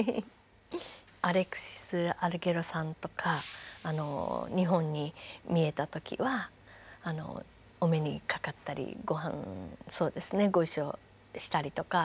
アレクシス・アルゲリョさんとか日本にみえた時はお目にかかったりごはんをご一緒したりとか。